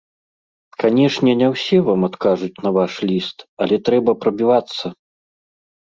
Канешне, не ўсе вам адкажуць на ваш ліст, але трэба прабівацца.